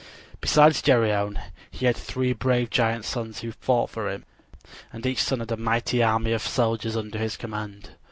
Besides Geryone he had three brave giant sons who fought for him; and each son had a mighty army of soldiers under his command.